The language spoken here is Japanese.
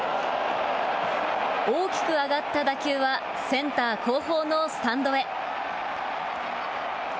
大きく上がった打球はセンター後方のスタンドへ。